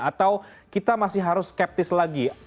atau kita masih harus skeptis lagi